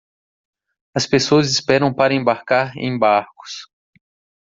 As pessoas esperam para embarcar em barcos.